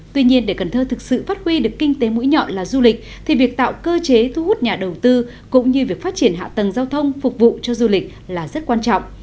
tuy nhiên để cần thơ thực sự phát huy được kinh tế mũi nhọn là du lịch thì việc tạo cơ chế thu hút nhà đầu tư cũng như việc phát triển hạ tầng giao thông phục vụ cho du lịch là rất quan trọng